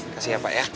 kasih ya pak ya